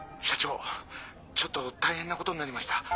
社長ちょっと大変なことになりました。